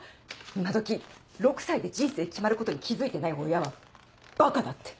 今どき６歳で人生決まることに気付いてない親はばかだって。